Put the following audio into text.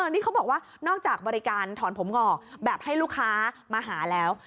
นี่เขาบอกว่านอกจากบริการถอนผมงอกแบบให้ลูกค้ามาหาแล้ว